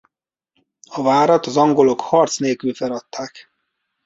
A várat az angolok harc nélkül feladták.